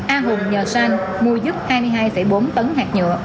a hùng nhờ sang mua giúp hai mươi hai bốn tấn hạt nhựa